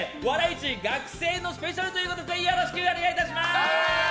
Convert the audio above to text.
市学生スペシャルということでよろしくお願いいたします！